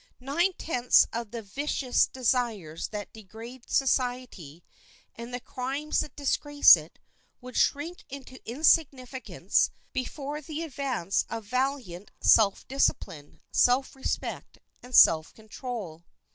Nine tenths of the vicious desires that degrade society, and the crimes that disgrace it, would shrink into insignificance before the advance of valiant self discipline, self respect, and self control.